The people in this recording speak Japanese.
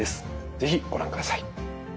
是非ご覧ください。